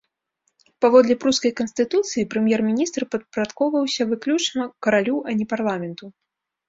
Паводле прускай канстытуцыі, прэм'ер-міністр падпарадкоўваўся выключна каралю, а не парламенту.